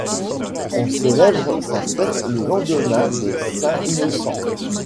On célèbre sa fête le lendemain des Saints Innocents.